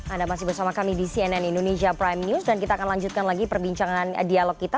anda masih bersama kami di cnn indonesia prime news dan kita akan lanjutkan lagi perbincangan dialog kita